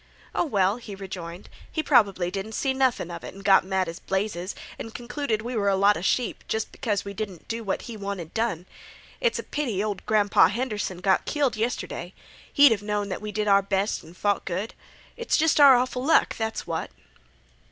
"Oh, well," he rejoined, "he probably didn't see nothing of it at all and god mad as blazes, and concluded we were a lot of sheep, just because we didn't do what he wanted done. It's a pity old Grandpa Henderson got killed yestirday—he'd have known that we did our best and fought good. It's just our awful luck, that's what."